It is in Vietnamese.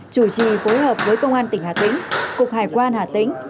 chủ trì phối hợp với công an tỉnh hà tĩnh cục hải quan hà tĩnh